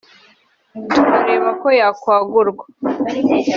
tukareba ko yakwagurwa